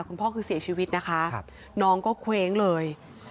คุณพ่อคือเสียชีวิตนะคะน้องก็เคว้งเลย